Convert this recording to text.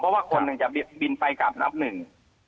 เพราะแค่ว่าคนจะบินไปกับนับหนึ่ง